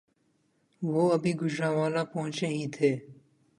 وہ ابھی گوجرانوالہ پہنچے ہی تھے